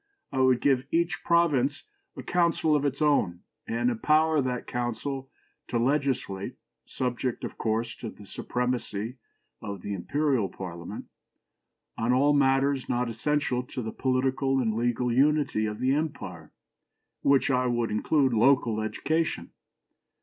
I would give each province a council of its own, and empower that council to legislate (subject, of course, to the supremacy of the Imperial Parliament) on all matters not essential to the political and legal unity of the empire, in which I would include local education.